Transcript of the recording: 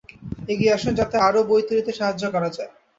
এগিয়ে আসুন যাতে আরও বই তৈরীতে সাহায্য করা যায়।